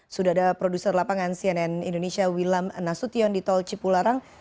sudah ada produser lapangan cnn indonesia wilam nasution di tol cipularang